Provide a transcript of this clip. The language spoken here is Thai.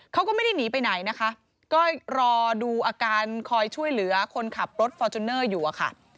เขาก็ไม่ได้หนีไปไหนนะคะก็รอดูอาการคอยช่วยเหลือคนขับรถฟอร์จูเนอร์อยู่อะค่ะ